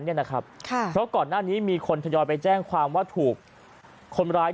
เพราะก่อนหน้านี้มีคนทยอยไปแจ้งความว่าถูกคนร้าย